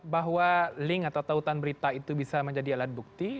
bahwa link atau tautan berita itu bisa menjadi alat bukti